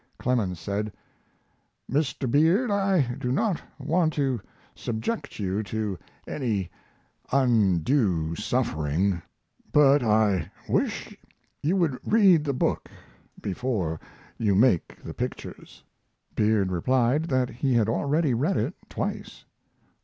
Clemens said: "Mr. Beard, I do not want to subject you to any undue suffering, but I wish you would read the book before you make the pictures." Beard replied that he had already read it twice.